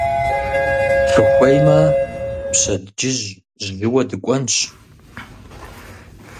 Фыхуеймэ, пщэдджыжь жьыуэ дыкӀуэнщ.